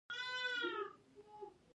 بادام د افغانستان په هره برخه کې موندل کېږي.